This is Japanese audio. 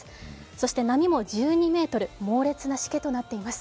そして波も１２ｍ、猛烈なしけとなっています。